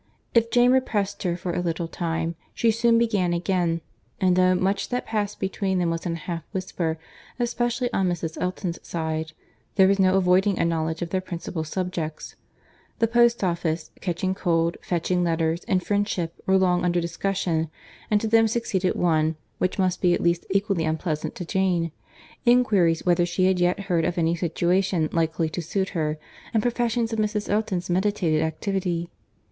If Jane repressed her for a little time, she soon began again; and though much that passed between them was in a half whisper, especially on Mrs. Elton's side, there was no avoiding a knowledge of their principal subjects: The post office—catching cold—fetching letters—and friendship, were long under discussion; and to them succeeded one, which must be at least equally unpleasant to Jane—inquiries whether she had yet heard of any situation likely to suit her, and professions of Mrs. Elton's meditated activity.